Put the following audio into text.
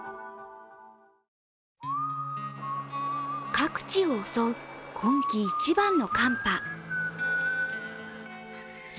各地を襲う今季一番の寒波。